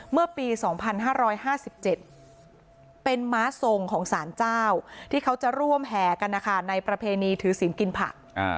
เมื่อปี๒๕๕๗เป็นม้าทรงของสารเจ้าที่เขาจะร่วมแห่กันนะคะในประเพณีถือศีลกินผัก